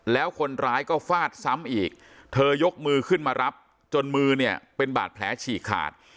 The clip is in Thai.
แล้วคนร้ายก็ฟาดซ้ำอีกเธอยกมือขึ้นมารับจนมือเนี่ยเป็นบาดแผลฉีกขาด